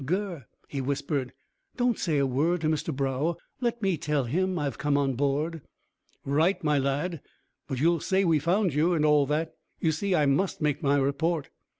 "Gurr," he whispered, "don't say a word to Mr Brough; let me tell him I have come on board." "Right, my lad; but you'll say we found you, and all that. You see, I must make my report."